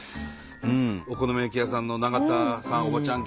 お好み焼き屋さんの永田さん